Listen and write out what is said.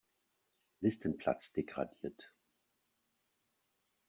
Listenplatz degradiert.